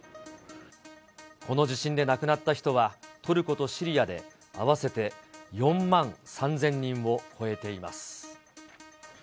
この地震で亡くなった人は、トルコとシリアで合わせて４万３０００人を超えています。